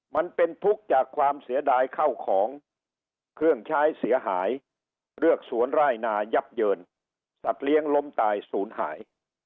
มันเป็นทุกข์จากความเสียดายเข้าของเครื่องใช้เสียหายเลือกสวนไร่นายับเยินสัตว์เลี้ยงล้มตายศูนย์หาย